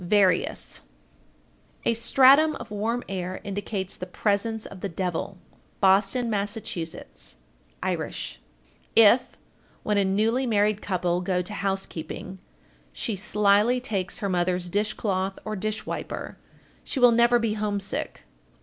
_ VARIOUS. 1464. A stratum of warm air indicates the presence of the devil. Boston, Mass. (Irish). 1465. If, when a newly married couple go to housekeeping, she slyly takes her mother's dish cloth or dish wiper, she will never be homesick.